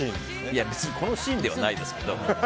別にこのシーンではないですけど。